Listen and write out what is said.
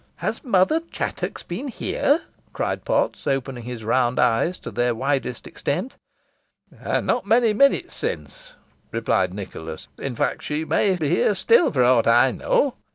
"Has Mother Chattox been here?" cried Potts, opening his round eyes to their widest extent. "Not many minutes since," replied Nicholas. "In fact, she may be here still for aught I know."